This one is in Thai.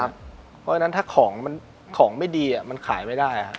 เพราะฉะนั้นถ้าของไม่ดีมันขายไม่ได้